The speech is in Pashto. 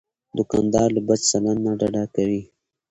دوکاندار له بد چلند نه ډډه کوي.